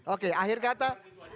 oke akhir kata